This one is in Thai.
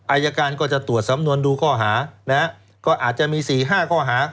อายการก็จะตรวจสำนวนดูข้อหาก็อาจจะมีสี่ห้าข้อหา